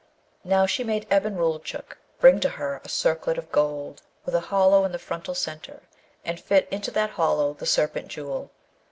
Now, she made Ebn Roulchook bring to her a circlet of gold, with a hollow in the frontal centre, and fit into that hollow the Serpent Jewel.